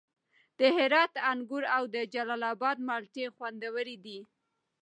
د هرات انګور او د جلال اباد مالټې خوندورې دي.